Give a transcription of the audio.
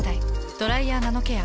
「ドライヤーナノケア」。